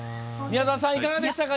宮沢さん、いかがでしたか？